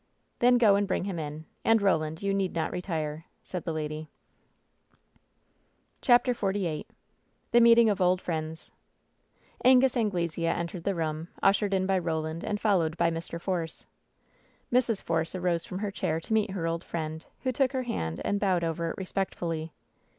"Then go and bring him in ; and, Roland, you need not retire," said the lady. 2T6 WHEN SHADOWS DIE CHAPTER XLVIII THE MEETING OF OLD FRIENDS Angus Anglesea entered the room, ushered in by Roland and followed by Mr. Force. Mrs. Force arose from her chair to meet her old friend, who took her hand and bowed over it respect fully.